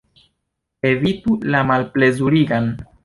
Evitu la malplezurigan!